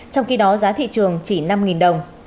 trong khi đó giá thị trường chỉ năm đồng